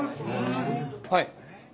はい。